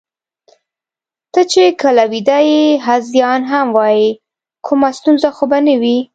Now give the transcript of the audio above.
ته چې کله ویده یې، هذیان هم وایې، کومه ستونزه خو به نه وي؟